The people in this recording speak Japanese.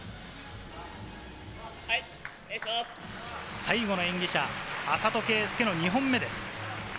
最後の演技者、安里圭亮の２本目です。